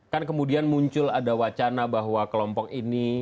kan kemudian muncul ada wacana bahwa kelompok ini